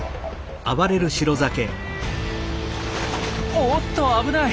おっと危ない！